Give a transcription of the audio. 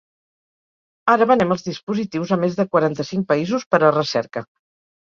Ara venem els dispositius a més de quaranta-cinc països per a recerca.